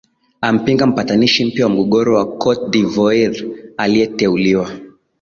ampinga mpatanishi mpya wa mgogoro wa cote de voire aliyeteuliwa